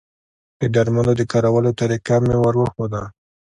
د درملو د کارولو طریقه مې وروښوده